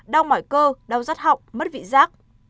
đau mỏi cơ đau giấc học mất vị giác